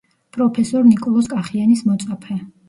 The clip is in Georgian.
პროფესორ ნიკოლოზ კახიანის მოწაფე.